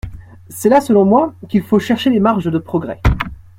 C’est là, selon moi, qu’il faut chercher les marges de progrès.